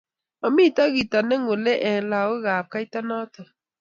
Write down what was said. mamito kito ne ng'ule eng' lagokab kaita noto